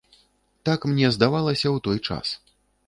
Так мне здавалася ў той час.